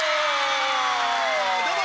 どうも！